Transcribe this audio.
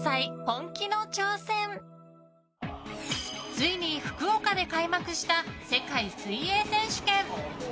ついに福岡で開幕した世界水泳選手権。